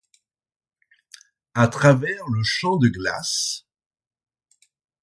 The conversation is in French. À travers le champ de glace —